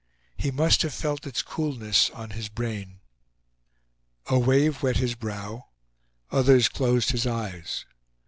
He must have felt its coolness on his brain. A wave wet his brow; others closed his eyes.